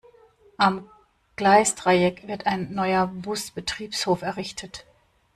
Am Gleisdreieck wird ein neuer Busbetriebshof errichtet.